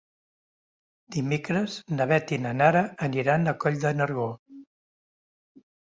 Dimecres na Beth i na Nara aniran a Coll de Nargó.